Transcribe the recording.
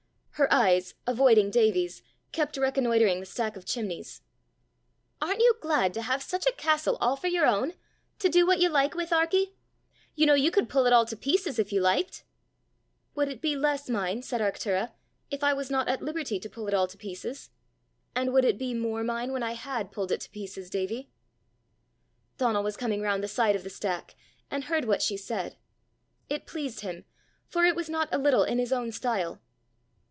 Her eyes, avoiding Davie's, kept reconnoitring the stack of chimneys. "Aren't you glad to have such a castle all for your own to do what you like with, Arkie? You know you could pull it all to pieces if you liked!" "Would it be less mine," said Arctura, "if I was not at liberty to pull it all to pieces? And would it be more mine when I had pulled it to pieces, Davie?" Donal was coming round the side of the stack, and heard what she said. It pleased him, for it was not a little in his own style.